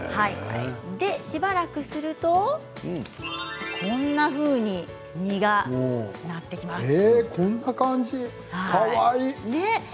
しばらくするとこんなふうに実がなってきます。